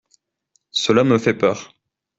Cela me fait peur.